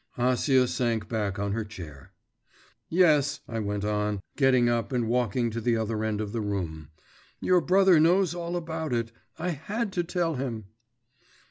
Acia sank back on her chair. 'Yes,' I went on, getting up and walking to the other end of the room. 'Your brother knows all about it.… I had to tell him.